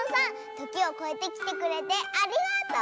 ときをこえてきてくれてありがとう！